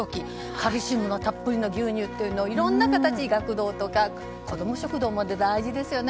カルシウムたっぷりの牛乳をいろんな形で学童とかこども食堂も大事ですよね。